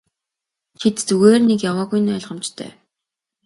Тэд зүгээр нэг яваагүй нь ойлгомжтой.